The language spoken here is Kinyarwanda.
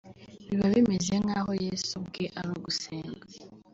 biba bimeze nk'aho yesu ubwe ari gusenga